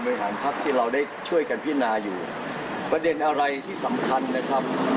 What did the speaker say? อเด็กเสทเดคาแบตไม่น่าจะมีนะครับ